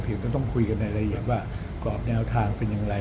ก็ต้องคุยกันในละเอียดว่ากรอบแนวทางเป็นอย่างไร